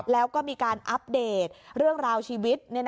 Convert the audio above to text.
แล้วก็มีการอัปเดตเรื่องราวชีวิต